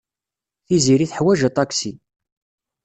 Tiziri teḥwaj aṭaksi.